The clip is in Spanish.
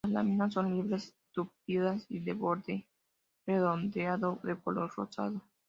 Las láminas son libres, tupidas y de borde redondeado, de color rosado.